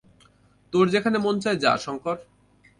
তোর যেখানে মন চায় যা, শংকর।